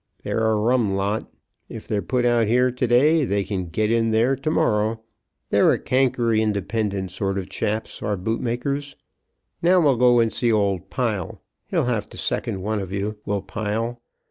They're a rum lot. If they're put out here to day, they can get in there to morrow. They're a cankery independent sort of chaps, are bootmakers. Now we'll go and see old Pile. He'll have to second one of you, will Pile.